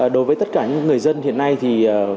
đối với tất cả những người dân hiện nay thì